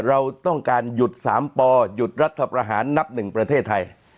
เราต้องการหยุด๓ปหยุดรัฐธรรมนับ๑ประเทศไทย